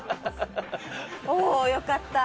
およかった。